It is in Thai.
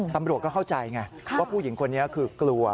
ตำรวจก็เข้าใจไงว่าผู้หญิงคนนี้คือกลัว